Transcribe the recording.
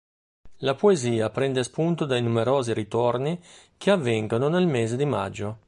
La poesia prende spunto dai numerosi ritorni che avvengono nel mese di maggio.